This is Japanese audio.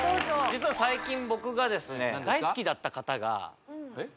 実は最近僕がですね大好きだった方がえっ？